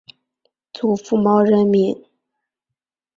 祖父毛仁民。